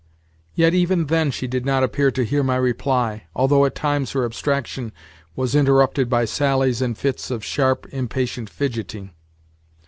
Yet even then she did not appear to hear my reply, although at times her abstraction was interrupted by sallies and fits of sharp, impatient fidgeting.